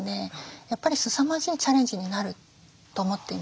やっぱりすさまじいチャレンジになると思っています。